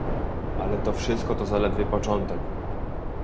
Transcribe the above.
Ale to wszystko to zaledwie początek